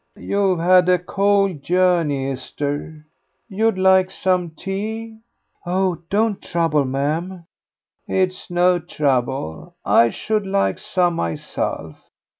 "You've had a cold journey, Esther; you'd like some tea?" "Oh, don't trouble, ma'am." "It's no trouble; I should like some myself.